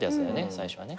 最初はね。